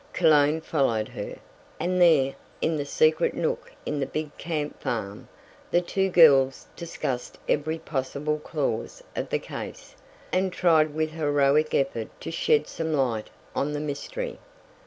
Cologne followed her, and there, in the secret nook in the big camp farm, the two girls discussed every possible clause of the case, and tried with heroic effort to shed some light on the mystery.